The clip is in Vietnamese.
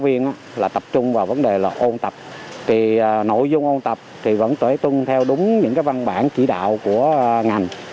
trường có yêu cầu là tập trung vào vấn đề là ôn tập thì nội dung ôn tập thì vẫn tuổi tuân theo đúng những văn bản chỉ đạo của ngành